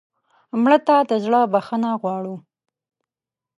مړه ته د زړه بښنه غواړو